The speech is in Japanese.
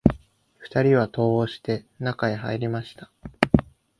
二人は戸を押して、中へ入りました